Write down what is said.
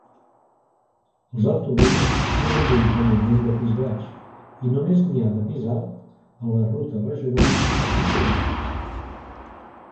Els autobusos són majoritàriament de pis baix i només n'hi ha de pis alt en les rutes regionals o suburbanes.